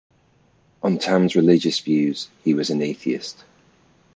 On Tamm's religious views, he was an atheist.